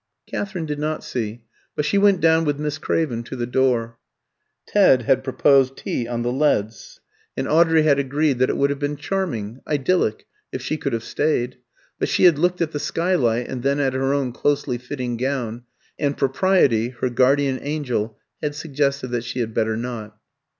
Katherine did not see, but she went down with Miss Craven to the door. Ted had proposed tea on the leads, and Audrey had agreed that it would have been charming idyllic if she could have stayed. But she had looked at the skylight, and then at her own closely fitting gown, and Propriety, her guardian angel, had suggested that she had better not.